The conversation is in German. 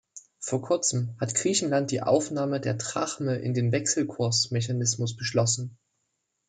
Vor kurzem hat Griechenland die Aufnahme der Drachme in den Wechselkursmechanismus beschlossen.